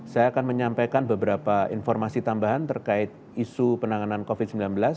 saya akan menyampaikan beberapa informasi tambahan terkait isu penanganan covid sembilan belas